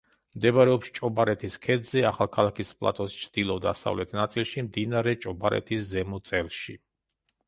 მდებარეობს ჭობარეთის ქედზე, ახალქალაქის პლატოს ჩრდილო-დასავლეთ ნაწილში, მდინარე ჭობარეთის ზემო წელში.